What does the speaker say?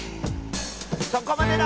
そこまでだ！